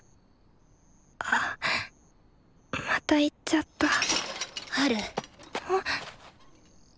あまた言っちゃったハル。